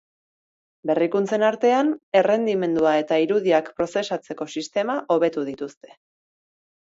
Berrikuntzen artean, errendimendua eta irudiak prozesatzeko sistema hobetu dituzte.